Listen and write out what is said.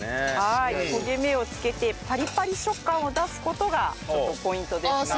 焦げ目をつけてパリパリ食感を出す事がちょっとポイントですかね。